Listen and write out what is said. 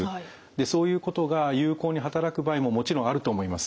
そういうことが有効に働く場合ももちろんあると思います。